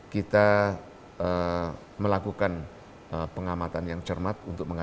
kita sudah memilih